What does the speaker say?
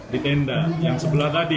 di tenda yang sebelah tadi